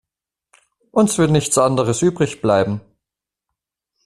Uns wird nichts anderes übrig bleiben.